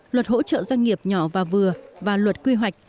luật hỗ trợ doanh nghiệp nhỏ và vừa và luật quy hoạch